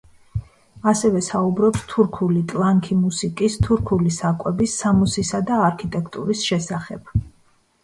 ასევე საუბრობს თურქული „ტლანქი“ მუსიკის, თურქული საკვების, სამოსისა და არქიტექტურის შესახებ.